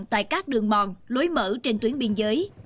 tại các đường mòn lối mở trên tuyến biên giới